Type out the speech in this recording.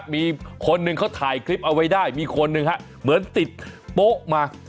มีคนหนึ่งเขาถ่ายคลิปเอาไว้ได้มีคนหนึ่งฮะเหมือนติดโป๊ะมา